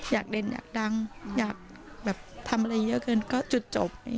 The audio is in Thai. อยากเล่นอยากดังอยากแบบทำอะไรเยอะเกินก็จุดจบ